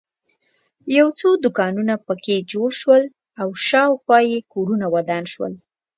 یو څو دوکانونه په کې جوړ شول او شاخوا یې کورونه ودان شول.